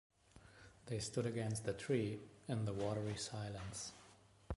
They stood against the tree in the watery silence.